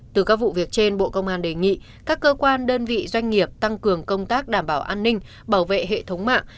từ các vụ việc trên bộ công an đề nghị các cơ quan đơn vị doanh nghiệp tăng cường công tác đảm bảo an ninh bảo vệ hệ thống mạng